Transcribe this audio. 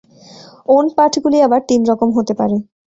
ওন-পাঠগুলি আবার তিন রকম হতে পারে।